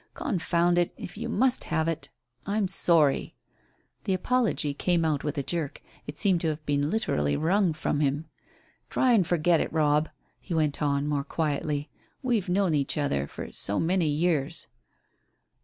Confound it, if you must have it, I'm sorry!" The apology came out with a jerk; it seemed to have been literally wrung from him. "Try and forget it, Robb," he went on, more quietly, "we've known each other for so many years."